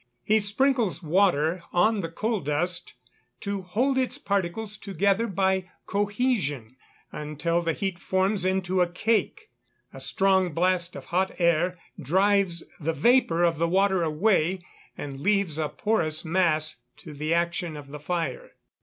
He sprinkles water on the coal dust to hold its particles together by cohesion, until the heat forms it into a cake. A strong blast of hot hair drives the vapour of the water away, and leaves a porous mass to the action of the fire. 309.